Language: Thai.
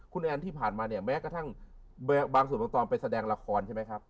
คุณแอนที่ผ่านมาเนี่ยแม้กระทั่งบางส่วนบางตอนไปแสดงละครใช่ไหมครับ